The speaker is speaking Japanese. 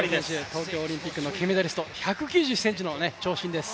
東京オリンピックの金メダリスト、１９１ｃｍの長身です。